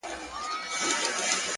دا چي انجوني ټولي ژاړي سترگي سرې دي!!